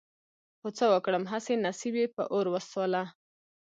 خو څه وکړم هسې نصيب يې په اور وسوله.